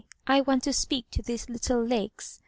I want to speak to these little Lakes.